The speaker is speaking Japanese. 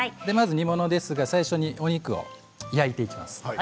まず煮物ですがお肉を焼いていきます。